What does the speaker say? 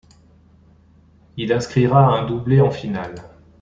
Il inscrira un doublé en finale.